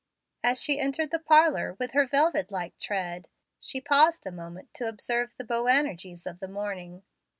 As she entered the parlor with her velvet like tread, she paused a moment to observe the Boanerges of the morning.